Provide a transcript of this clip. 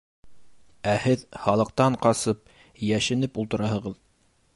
Ә һеҙ халыҡтан ҡасып, йәшенеп ултыраһығыҙ!